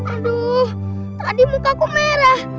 aduh tadi mukaku merah